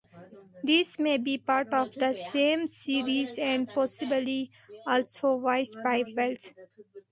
These may be part of the same series, and possibly also voiced by Welles.